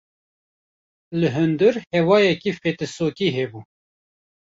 Li hundir hewayeke fetisokî hebû.